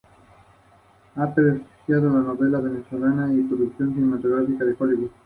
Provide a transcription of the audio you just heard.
Cada penca está compuesta por decenas de hojas llamadas guano.